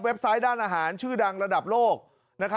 เว็บไซต์ด้านอาหารชื่อดังระดับโลกนะครับ